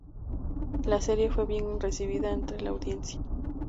La serie fue bien recibida entre la audiencia.